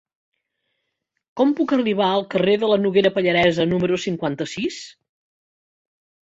Com puc arribar al carrer de la Noguera Pallaresa número cinquanta-sis?